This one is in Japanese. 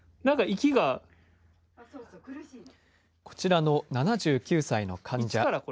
こちらの７９歳の患者。